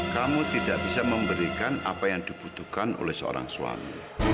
kamu tidak bisa memberikan apa yang dibutuhkan oleh seorang suami